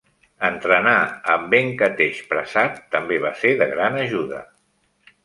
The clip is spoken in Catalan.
Entrenar en Venkatesh Prasad també va ser de gran ajuda.